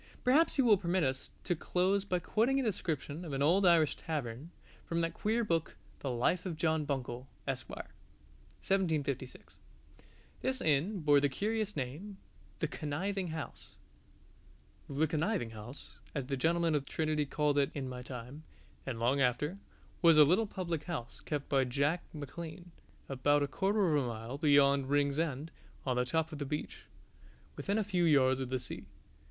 Perhaps you will permit us to close by quoting a description of an old Irish tavern, from that queer book "The Life of John Buncle, Esq." (1756). This inn bore the curious name The Conniving House: The Conniving House (as the gentlemen of Trinity called it in my time, and long after) was a little public house, kept by Jack Macklean, about a quarter of a mile beyond Rings end, on the top of the beach, within a few yards of the sea.